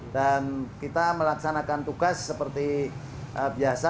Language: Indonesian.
dan kita melaksanakan tugas seperti biasa